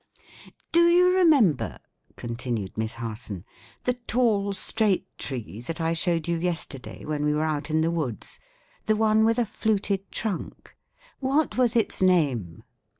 "Do you remember," continued Miss Harson, "the tall, straight tree that I showed you yesterday when we were out in the woods the one with a fluted trunk? What was its name?"